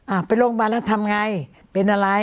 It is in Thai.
ไปโรงพยาบาลแล้วทำไงเป็นอะไร